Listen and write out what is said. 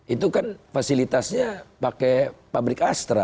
itu kan fasilitasnya pakai pabrik astra